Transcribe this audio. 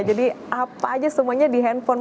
jadi apa aja semuanya di handphone